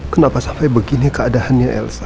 kenapa sampai begini keadaannya elsa